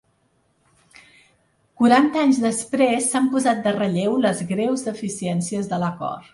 Quaranta anys després s’han posat de relleu les greus deficiències de l’acord.